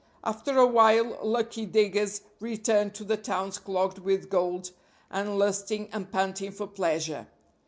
After a while lucky diggers returned to the towns clogged with gold, and lusting and panting for pleasure.